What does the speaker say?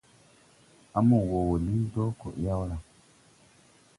À mo wɔɔ wɔ liŋ dɔɔ kɔɗyaw la?